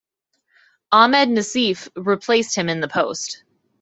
Ahmed Nazif replaced him in the post.